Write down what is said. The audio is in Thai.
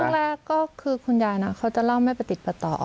แรกก็คือคุณยายนะเขาจะเล่าแม่ประติดประต่อ